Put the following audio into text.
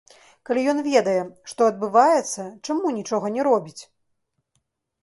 Калі ён ведае, што адбываецца, чаму нічога не робіць.